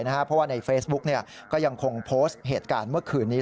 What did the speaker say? เพราะว่าในเฟซบุ๊กก็ยังคงโพสต์เหตุการณ์เมื่อคืนนี้